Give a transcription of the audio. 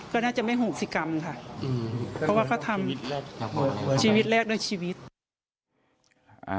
ก็น่าจะไม่ห่วงศิกรรมค่ะ